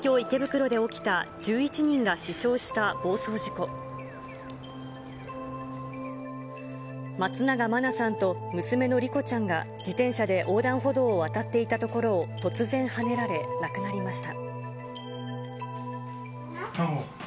この判決は私たちが、遺族が、松永真菜さんと娘の莉子ちゃんが自転車で横断歩道を渡っていたところを突然はねられ、亡くなりました。